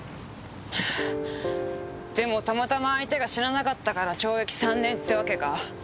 でもたまたま相手が死ななかったから懲役３年ってわけか。